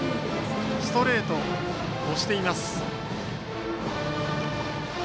ストレートで押しています、塚本。